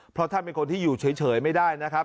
เพราะท่านเป็นคนที่อยู่เฉยไม่ได้นะครับ